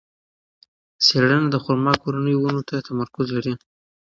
څېړنه د خورما کورنۍ ونو ته تمرکز لري.